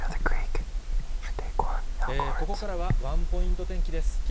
ここからは、ワンポイント天気です。